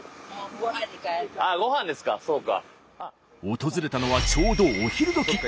訪れたのはちょうどお昼時。